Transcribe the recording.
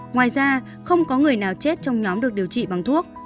ngoài ra không có người nào chết trong nhóm được điều trị bằng thuốc